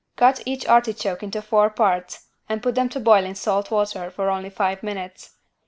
Cut each artichoke into four parts and put them to boil in salt water for only five minutes.